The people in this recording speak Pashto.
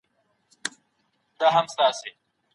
هغوی د زده کړو په برخه کې کوښښ کوي.